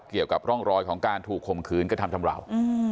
เกี่ยวกับร่องรอยของการถูกข่มขืนกระทำชำราว